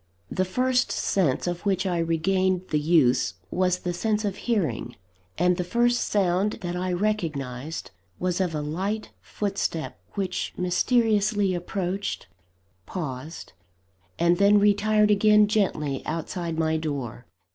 The first sense of which I regained the use, was the sense of hearing; and the first sound that I recognised, was of a light footstep which mysteriously approached, paused, and then retired again gently outside my door.